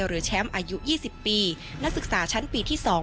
หรือแชมป์อายุ๒๐ปีนักศึกษาชั้นปีที่๒